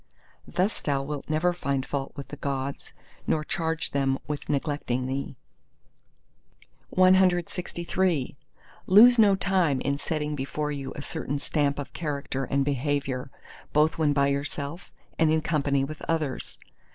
Thus thou wilt never find fault with the Gods, nor charge them with neglecting thee. CLXIV Lose no time in setting before you a certain stamp of character and behaviour both when by yourself and in company with others.